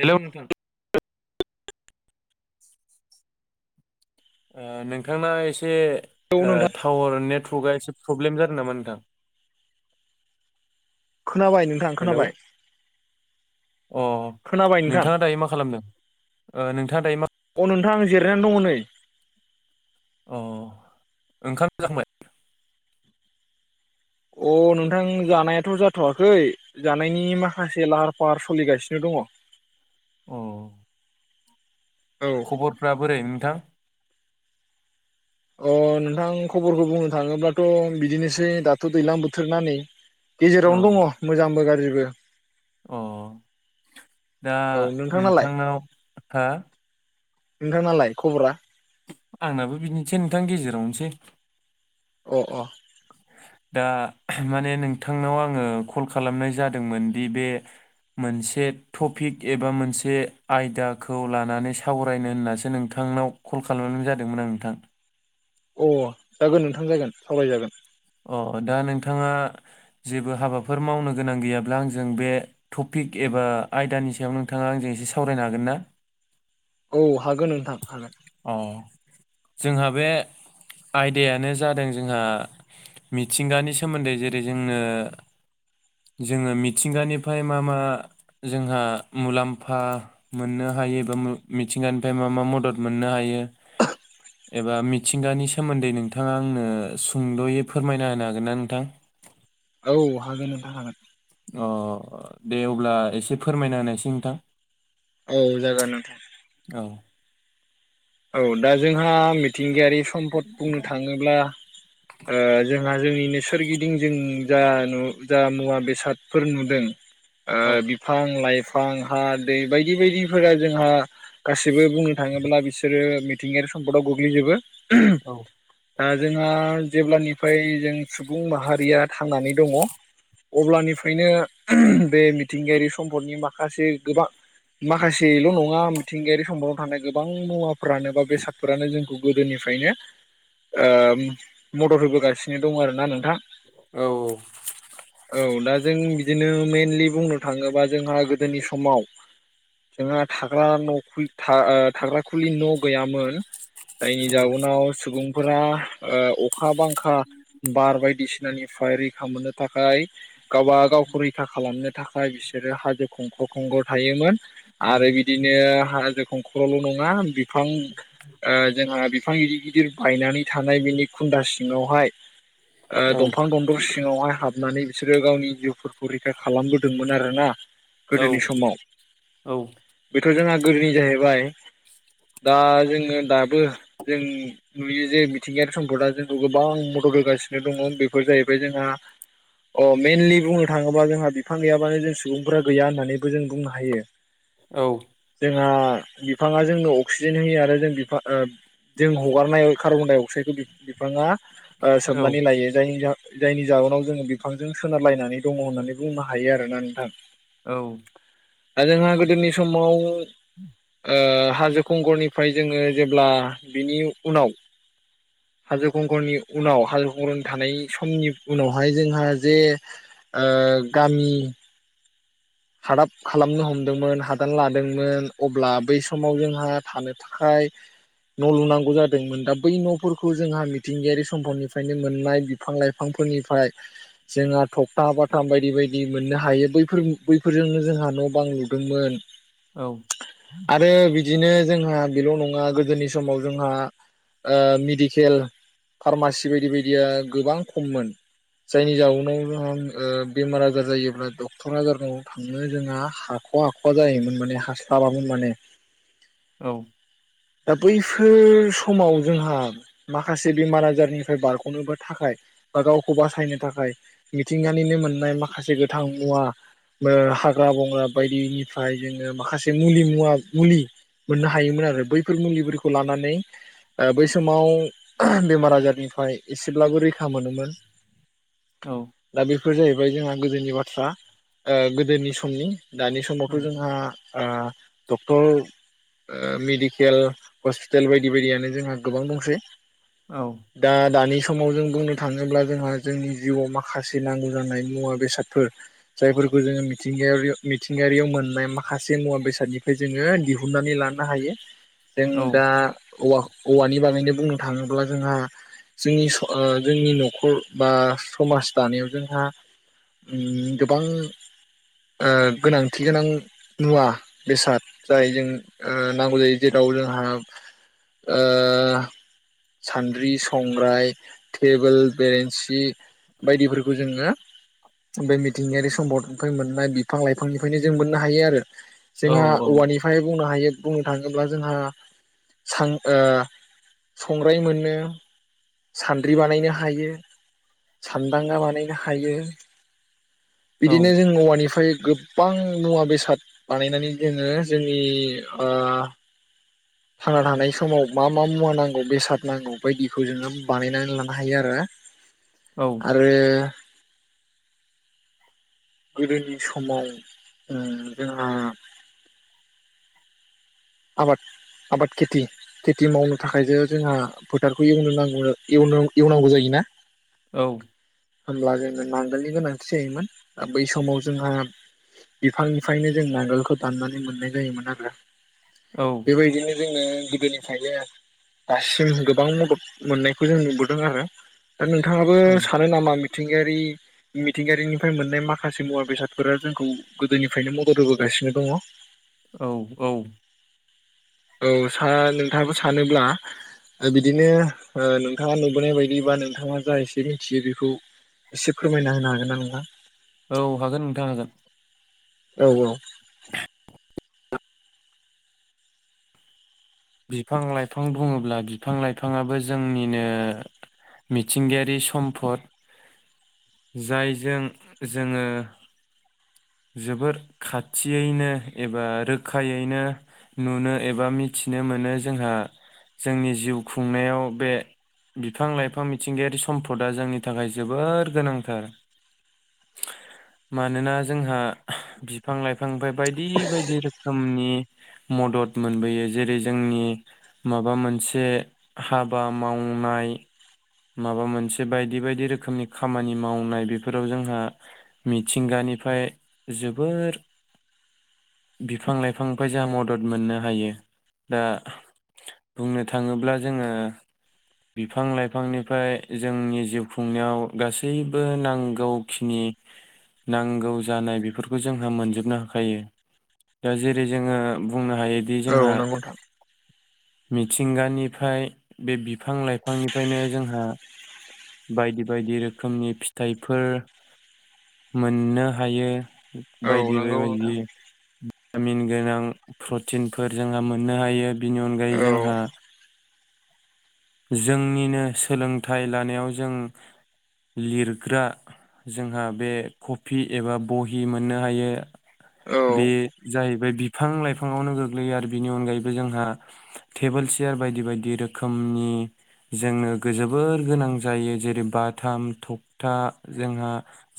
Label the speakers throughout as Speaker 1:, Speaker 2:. Speaker 1: Hello नोंथां। ओ नोंथांना एसे
Speaker 2: औ
Speaker 1: ओ
Speaker 2: नोंथां
Speaker 1: टावार नेत ट्रगा एसे प्रब्लेम जादों नामा नोंथां?
Speaker 2: खोनाबाय नोंथां
Speaker 1: हेलौ
Speaker 2: खोनाबाय
Speaker 1: अ
Speaker 2: खोनाबाय नोंथां
Speaker 1: नोंथाङा दायो मा खालामदों ओ नोंथाङा दायो मा?
Speaker 2: अ नोंथां जिरायनानै दङ नै।
Speaker 1: अ ओंखाम जाखांबाय?
Speaker 2: अ नोंथां जानायाथ' जाथ'वाखै जानायनि माखासे लाहार-फाहार सलिगासिनो दङ'।
Speaker 1: अ खबरफ्रा बोरै नोंथां?
Speaker 2: अ नोंथां खबरखौ बुंनो थाङोब्लाथ' बिदिनोसै दाथ' दैलां बोथोर ना नै। गेजेरावनो
Speaker 1: औ
Speaker 2: दङ' मोजांबो गाज्रिबो बो।
Speaker 1: अ दा
Speaker 2: औ नोंथांनालाय
Speaker 1: नोंथांनाव हा
Speaker 2: नोंथांनालाय खबरा?
Speaker 1: आंनाबो बिदिनोसै नोंथां गेजेरावनोसै।
Speaker 2: अ अ।
Speaker 1: दा माने नोंथांनाव आङो कल खालामनाय जादोंमोनदि बे मोनसे टपिक एबा मोनसे आयदाखौ लानानै सावरायनो होननासो नोंथांनाव कल खालामनाय जादोंमोन आं नोंथां
Speaker 2: अ जागोन नोंथां जागोन सावरायजागोन
Speaker 1: अ दा नोंथाङा जेबो हाबाफोर मावनो गोनां गैयाब्ला आंजों बे टपिक एबा आयदानि सायाव नोंथाङा आंजों एसे सावरायनो हागोन ना?
Speaker 2: औ हागोन नोंथां हागोन
Speaker 1: अ जोंहा बे आयदायानो जादों जोंहा मिथिंगानि सोमोन्दै जेरै जोंनो जोङो मिथिंगानिफ्राय मा मा जोंहा मुलाम्फा मोननो हायो एबा मिथिंगानिफ्राय मा मा मदद मोननो हायो एबा मिथिंगानि सोमोन्दै नोंथाङा आंनो सुंद'यै फोरमायना होनो हागोन ना नोंथां?
Speaker 2: औ हागोन नोंथा हागोन।
Speaker 1: अ दे अब्ला एसे फोरमायना होनोसै नोंथां
Speaker 2: औ जागोन नोंथां
Speaker 1: औ
Speaker 2: औ दा जोंहा मिथिंगायारि सम्पद बुंनो थाङोब्ला आ जोंहा जोंनिनो सोरगिदिं जों जा नु जा मुवा बे बेसादफोर नुदों ओ
Speaker 1: औ
Speaker 2: बिफां लाइ फां, हा, दै बायदि बायदिफोरा जोंहा गासिबो बुंनो थाङोब्ला बिसोरो मिथिंगायारि सम्दआव गोग्लैजोबो
Speaker 1: औ
Speaker 2: [inaudible] दा जोंहा जेब्लानिफ्राय जों सुबुं माहारिया थांनानै दङ अब्लानिफ्रायनो बे मिथिंगायारि सम्पदनि माखासे गोबां माखासेल' नङा मिथिंगायारि सम्पदाव थानाय गोबां मुवा फोरानो बा बेसादफोरानो जोंखौ गोदोनिफ्रायनो मदद होबोगासिनो दं आरोना नोंथां।
Speaker 1: औ औ
Speaker 2: औ दा जों बिदिनो मेनलि बुंनो थाङोबा जोंहा गोदोनि समाव जोंहा थाग्रा न' थाग्रा खुलि न' गैयामोन। जायनिनि जाउनाव सुबुं फोरा ओ अखा अखा-बांखा बार बायदिसिना बांखानिफ्राय रैखा मोननो थाखाय गावबा गावखौ रैखा खालामनो थाखाय बिसोरो हाजो खंखर' खंखर' थायोमोन आरो बिदिनो हाजो खंखर ल' नङा बि फां ओ जोंहा बि बिफां गिदिर-गिदिर बायनानै थानाय बेनि खुन्दा सिङावहाय
Speaker 1: औ
Speaker 2: दंफां दंन्दर' सिङावहाय हाबनानै बिसोरो गावनि जिउफोरखौ रैखा खालामबोदोंमोन आरो ना
Speaker 1: औ
Speaker 2: गोदोनि समाव
Speaker 1: औ
Speaker 2: बेथ' जोंंहा गोदोनि जाहैबाय दा जोङो दाबो जों नुयो जे मिथिंगायारि सम्पदा जोंखौ गोबां मदद होगासिनो दङ बेफोर जाहैबाय जोंहा अ मइेनलि बुंनो थाङोबा जोंहा बिफां गैयाबानो जों सुबुंफोरा गैया होननानैबो जों बुंनो हायो।
Speaker 1: औ
Speaker 2: आ बिफाङा जोंनो- अक्सिजेन होयो आरो जों बिफा जों हगारनाय कार्बन-डाइ- अक्साइडखौ बि-बिफाङा- ओ
Speaker 1: औ
Speaker 2: सोबनानै लायो जायनि जा जायनि जाहोननाव जोङो बिफांजों सोनारलायनानै दङ होननानै बुंनो हायो आरोना नोंथां।
Speaker 1: औ
Speaker 2: आरो जोंहा गोदोनि समाव
Speaker 1: [inaudible]
Speaker 2: ओ हाजो खंखरनिफ्राय जोङो जेब्ला बिनि उनाव हाजो खंखरनि उनाव हाजो खुंखर थानाय समनि उनावहाय जोंहा जे ओ गामि हादाब खालामनो हमदोंमोन हादान लादोंमोन अब्ला बै समाव जोंहा थानो थाखाय न' लुनांगौ जादोंमोन दा बै न'फोरखौ जोंहा मिथिंगायारि सम्फनिफ्रायनो मोननाय बिफां लाइफांफोरनिफ्राय जोंहा थखथा बाताम बायदि बायदि मोननो हायो बैफोर- बैफोरजोंनो जोंहा न' बां लुदोंमोन।
Speaker 1: औ
Speaker 2: आरो बिदिनो जोंहा बेल' नङा गोदोनि समाव जोंहा ओ मेडिकेल फार्मासि बायदि बायदिया गोबां खममोन जायनि जाउनाव जोंहा ओ बेमार आजार जायोब्ला डक्टर आजार थांनो जोंहा हाख' हाख'वा जायोमोन माने हास्लाबामोन माने
Speaker 1: औ
Speaker 2: दा बैफोर समाव जोंहा माखासे बेमार आजारनिफ्राय बारग'नोबो थाखाय बा गावखौ बासायनो थाखाय मिथिंगानिनो मोननाय माखासे गोथां मुवा- ओ हाग्रा बंग्रा बायदिनिफ्राय जोङो माखासे मुलि मुवा मुलि मोननो हायोमोन आरो बैफोर मुलिफोरखौ लानानै ओ बै समाव बेमार आजारनिफ्राय एसेब्लाबो रैखा मोनोमोन।
Speaker 1: औ
Speaker 2: दा बेफोर जाहैबाय ओमफाय जोंहा गोदोनि बाथ्रा ओ गोदोनि समनि दानि समावथ' जोंहा ओ डक्टर ओ मेडिकेल हस्पिटाल बायदि बायदियानो जोंहा गोबां दंसै
Speaker 1: औ
Speaker 2: दा दानि समाव जों बुंनो थाङोब्ला जोंहा जोंनि जिउआव माखासे नांगौ जानाय मुवा बेसादफोर जायफोरखौ जोङो मिथिंगायारि मिथिंगायारियाव मोननाय माखासे मुवा बेसादनिफ्राय जोङो दिहुननानै लानो हायो। जों दा औवाखौ औवानि बागैनो बुंनो थाङोब्ला जोंहा जोंनि स ओ जोंनि न'खर बा समाज दानायाव जोंहा उम। गोबां ओ गोनांथि गोनां मुवा बेसाद जाय जों ओ नांगौ जायो जेराव जोंहा ओ सान्द्रि, संग्राय, टेबोल, बेरेन्सि, बायदिफोरखौ जोङो बे मिथिंगयारि सम्पदनिफ्राय मोननाय बिफां-लाइफांनिफ्रायनो जों मोननो हायो आरो जोंहा औवानिफाय बुंनो हायो बुंनो थाङोबा जोंहा सां ओ संग्राय मोनो सान्द्रि बानायनो हायो सान्दांगा बानायनो हायो। बिदिनो जों औवानिफ्राय- गोबां मुवा बेसाद बानायनानै जोङो जोंनि ओ थांना थानाय समाव मा मा मुवा नांगौ बेसाद नांगौ बायदिखौ जोङो बानायनानै लानो हायो आरो आरो गोदोनि समाव ओ जोंहा। आबाद आबाद खेति खेति मावनो थाखायसो जोंहा फोथारखौ एवनो नांगौ एवनो एवनांगौ जायोना।
Speaker 1: औ।
Speaker 2: होमब्ला जोङो नांगोलनि गोनांथि जायोमोन बै समाव जोंहा बिफांनिफायनो जों नांगोलखौ दाननानै मोननाय जायोमोनआरो।
Speaker 1: औ
Speaker 2: बे बायदिनो जोङो। गोदनिफ्रायनो दासिम गोबां मदद मोननायखौ जों नुबोदोंआरो। दा नोंथाङाबो
Speaker 1: औ
Speaker 2: सानो नामा मि मिथिंगायारि मिथिंगायारिनिफाय मोननाय माखासे मुवा बेसादफोरा जोंखौ गोदोनिफ्रायनो मदद होबोगासिनो दङ।
Speaker 1: औ औ।
Speaker 2: औ सा नोंथाङाबो सानोब्ला बिदिनो ओह नोंथाङा नुबोनाय बायदि बा नोंथाङा जा एसे मिनथियो बेखौ एसे फोरमायना होनो हागोनना नोंथां।
Speaker 1: औ हागोन नोंथा हागोन।
Speaker 2: औ औ।
Speaker 1: बिफां लाइफां बुङोब्ला बिफां लाइफाङाबो जोंनिनो मिथिंगायारि सम्पद जायजों जोङो। जोबोर खाथियैनो एबा रोखायैनो नुनो एबा मिथिनो मोनो जोंहा जोंनि जिउ खुंनायाव बे बिफां लाइफां मिथिंगायारि सम्पदा जोंनि थाखाय जोबोर गोनांथार मानोना। जोंहा बिफां लाइफांनिफाय बायदि बायदि रोखोमनि मदद मोनबोयो जेरै जोंनि माबा मोनसे हाबामावनाय। माबा मोनसे बायदि बायदि रोखोमनि खामानि मावनाय बेफोराव जोंहा मिथिंगानिफाय जोबोर बिफां लाइफांनिफाय जाहा मदद मोननो हायो दा बुंनो थाङोब्ला जोङो बिफां लाइफ बिफांनिफाय जोंनि जिउ खुंनायाव गासैबो नांगौखिनि नांगौ जानाय बेफोरखौ जोंहा मोनजोबनो हाखायो दा जेरै जोङो बुंना हायोदि जोंहा।
Speaker 2: औ नंगौ नोंथां
Speaker 1: मिथिंगानिफाय बे बिफां लाइफांनि फायनो जोंहा बायदि बायदि रोखोमनि फिथाइफोर मोननो हायो।
Speaker 2: औ
Speaker 1: बायदि
Speaker 2: नंगौ
Speaker 1: [unintelligible]
Speaker 2: नोंथां
Speaker 1: भिटामिन गोनां प्रथिनफोर जों मोननो हायो बिनि अनगायै
Speaker 2: औ
Speaker 1: जोंहा। जोंनिनो सोलोंथाइ लानायाव जों लिरग्रा जोंहा बे खफि एबा बहि मोननो हायो।
Speaker 2: औ
Speaker 1: बे जाहैबाय बिफां लाइफाङावनो गोग्लैयो आरो बेनि अनगायैबो जोंहा थेबोल सेयार बायदि बायदि रोखोमनि जोनो जोबोर गोनां जायो जेरै बाथाम थखथा जोंहा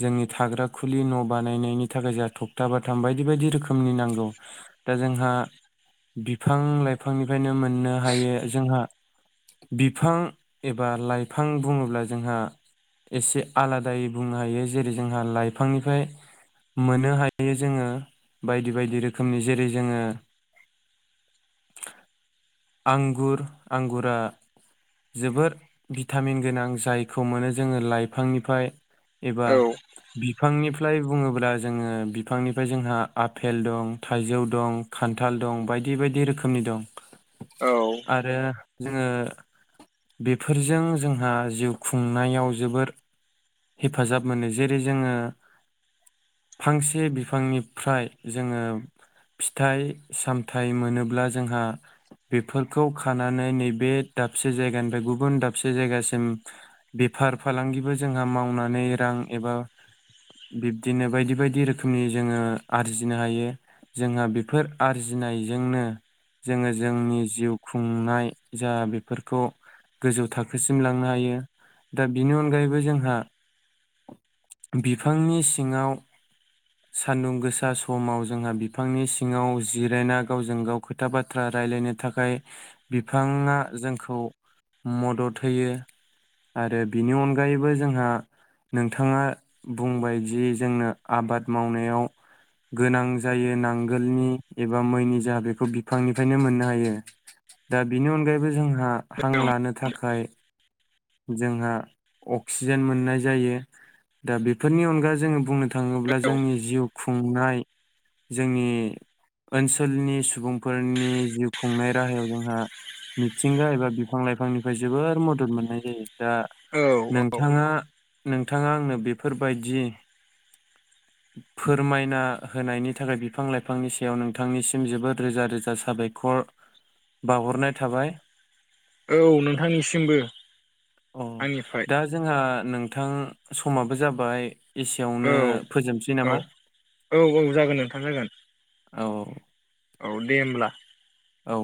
Speaker 1: जोंनि थाग्रा खुलि न बानायनायनि थाखाय जोंहा थखथा बा थाम बायदि बायदि रोखोमनि नांगौ दा जोंहा बिफां लाइफांनिफायनो मोननो हायो जोंहा बिफां एबा लाइफां बुङोब्ला जोंहा एसे आलादायै बुंनो हायो जेरै जोंहा लाइफांनिफाय मोनो हायो। [unintelligible] जोङो बायदि बायदि रोखोमनि जेरै जोङो आंगुर आंगुरा जोबोर भिटामिन गोनां जायखौ मोनो जोङो लाइफांनिफाय। एबा
Speaker 2: औ
Speaker 1: बिफांनिफ फ्लाय बुङोब्ला जोङो बि बिफांनिफाय जोंहा आफेल दं थाइजौ दं खान्थाल दं बायदि बायदि रोखोमनि दं। आरो। जोङो बेफोरजों जोंहा जिउ खुंनायाव जोबोर हेफाजाब मोनो जेरै जोङो फांस से बिफांनिफ्राय जोङो फिथाइ सामथाइ मोनोब्ला जोंहा बेफोरखौ खानानै नैबे दाबसे जायगानिफ्राय गुबुन दाबसे जायगासिम बेफार फालांगिबो जोंहा मावनानै रां एबा बिब्दिनो बायदि बायदि रोख खोमनि जोङो आरजिनो हायो जोंहा बेफोर आरजिनायजोंनो जोङो जोंनि जिउ खुंनाय जा बेफोरखौ गोजौ थाखोसिम लांनोहायो दा बिनि अनगायैबो जोंहा बिफांनि सिङाव। सान्दुं गोसा समाव जोंहा बिफांनि सिङाव जिरायना गावजों गाव खोथा बाथ्रा रायलायनो थाखाय बिफाङा जोंखौ मदद होयो आरो बिनि अनगायैबो जोंहा नोंथाङा बुंबायजि जोंनो आबाद। मावनायाव गोनां जायो नांगोलनि एबा मैनि जाहा बेखौ बिफांनिफायनो मोननो हायो दा बिनि अनगायैबो जों। हा हांलानो थाखाय। जोंहा अक्सिजेन मोननाय जायो दा बेफोरनि अनगा जोङो बुंनो थाङोब्ला जोंनि जिउ खुंनाय जोंनि ओनसोलनि सुबुंफोरनि जिउ खुंनाय राहायाव जोंहा मिथिंगा एबा बिफां लाइफांनिफाय जोबोर मदद मोननाय उम। दा
Speaker 2: औ
Speaker 1: नोंथाङा नों नोंथाङा आंनो बेफोरबायदि फोरमायना होनायनि थाखाय बिफां लाइफांनि सायाव नोंथांनिसिम जोबोद रोजा रोजा साबायखर बावहरनाय थाबाय
Speaker 2: औ नोंथांनिसिमबो।
Speaker 1: औ
Speaker 2: आंनिफ्राय
Speaker 1: दा जोंहा नोंथां समाबो जाबाय
Speaker 2: औ
Speaker 1: एसेयावनो फोजोबसै
Speaker 2: औ
Speaker 1: नामा
Speaker 2: औ औ जागोन नोंथां जागोन
Speaker 1: औ
Speaker 2: औ दे होमब्ला
Speaker 1: औ